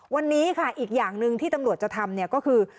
วันนี้ค่ะอีกอย่างหนึ่งที่ตำรวจจะทำเนี่ยก็คือ